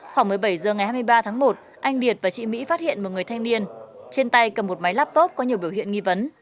khoảng một mươi bảy h ngày hai mươi ba tháng một anh liệt và chị mỹ phát hiện một người thanh niên trên tay cầm một máy laptop có nhiều biểu hiện nghi vấn